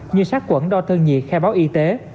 như sát quẩn đo thân nhiệt khai báo y tế